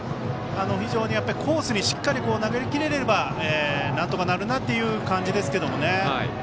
非常にコースにしっかり投げきれればなんとかなるなという感じですけどね。